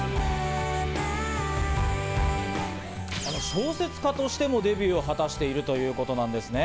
小説家としてもデビューを果たしているということなんですね。